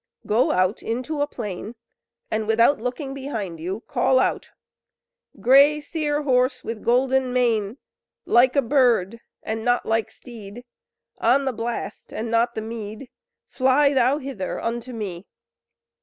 Go out into a plain, and without looking behind you, call out: "Grey Seer horse, with golden mane! Like a bird and not like steed, On the blast and not the mead, Fly thou hither unto me!"